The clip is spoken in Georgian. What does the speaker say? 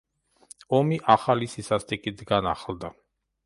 ომი ახალი სისასტიკით განახლდა.